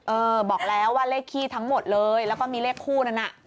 เออบอกแล้วว่าเลขขี้ทั้งหมดเลยแล้วก็มีเลขคู่นั้นน่ะ